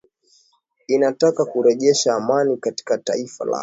inataka kurejesha amani katika taifa lao